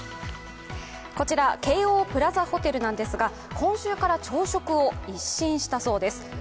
こちら、京王プラザホテルなんですが、今週から朝食を一新したそうです。